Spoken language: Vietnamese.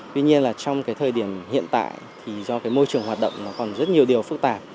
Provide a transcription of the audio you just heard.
tuy nhiên là trong cái thời điểm hiện tại thì do cái môi trường hoạt động nó còn rất nhiều điều phức tạp